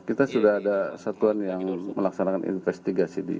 kita sudah ada satuan yang melaksanakan investigasi di